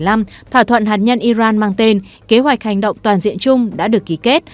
năm hai nghìn một mươi năm thỏa thuận hạt nhân iran mang tên kế hoạch hành động toàn diện chung đã được ký kết